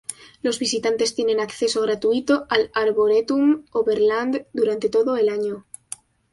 Los visitantes tienen acceso gratuito al arboretum Overland durante todo el año.